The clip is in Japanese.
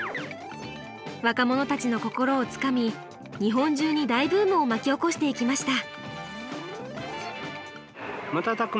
若者たちの心をつかみ日本中に大ブームを巻き起こしていきました。